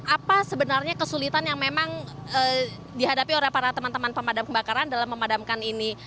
apa sebenarnya kesulitan yang memang dihadapi oleh para teman teman pemadam kebakaran dalam memadamkan ini